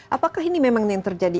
apakah ini memang yang terjadi